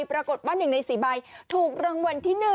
ปรากฏว่า๑ใน๔ใบถูกรางวัลที่๑